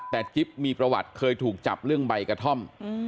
แต่จิ๊บมีประวัติเคยถูกจับเรื่องใบกระท่อม